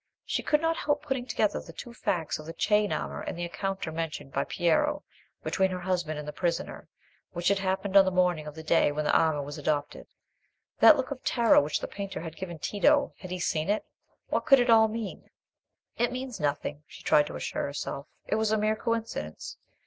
She could not help putting together the two facts of the chain armour and the encounter mentioned by Piero between her husband and the prisoner, which had happened on the morning of the day when the armour was adopted. That look of terror which the painter had given Tito, had he seen it? What could it all mean? "It means nothing," she tried to assure herself. "It was a mere coincidence.